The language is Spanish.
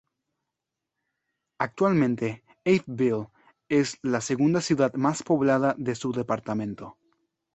Actualmente, Abbeville es la segunda ciudad más poblada de su departamento.